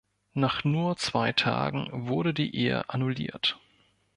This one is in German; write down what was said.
Nach nur zwei Tagen wurde die Ehe annulliert.